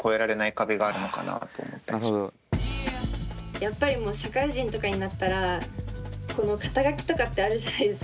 やっぱりもう社会人とかになったらこの肩書とかってあるじゃないですか